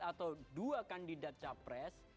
atau dua kandidat capres